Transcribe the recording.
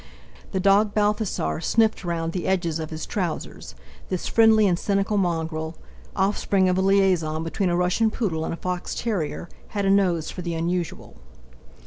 The dog Balthasar sniffed round the edges of his trousers; this friendly and cynical mongrel—offspring of a liaison between a Russian poodle and a fox terrier—had a nose for the unusual.